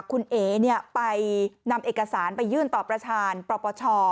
คุณเอ๋ไปนำเอกสารไปยื่นต่อประธานปปช